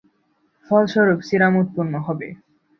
ফলস্বরূপ সিরাম উৎপন্ন হবে।